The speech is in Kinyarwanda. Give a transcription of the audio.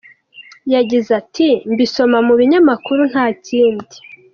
Yagize ati “Mbisoma mu binyamukuru, nta kindi.